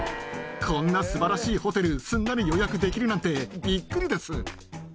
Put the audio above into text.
こんなすばらしいホテル、すんなり予約できるなんてびっくりです。